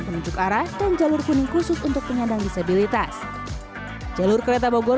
penunjuk arah dan jalur kuning khusus untuk penyandang disabilitas jalur kereta bogor